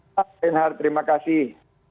pak sennar terima kasih